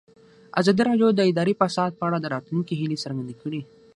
ازادي راډیو د اداري فساد په اړه د راتلونکي هیلې څرګندې کړې.